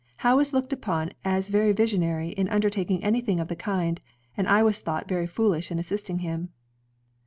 Howe was looked upon as very visionary jn undertaking anything of the kind, and I was thought very foolish in assisting him."